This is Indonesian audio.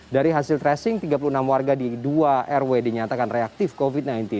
dari hasil tracing tiga puluh enam warga di dua rw dinyatakan reaktif covid sembilan belas